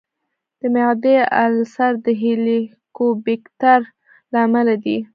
د معدې السر د هیليکوبیکټر له امله دی.